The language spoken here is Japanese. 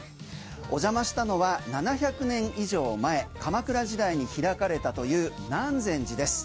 お邪魔したのは、７００年以上前鎌倉時代に開かれたという南禅寺です。